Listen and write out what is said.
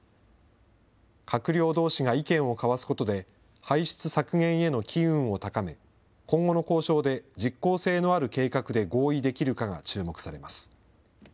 閣僚どうしが意見を交わすことで、排出削減への機運を高め、今後の交渉で実効性のある計画で合意できるかが注目されます。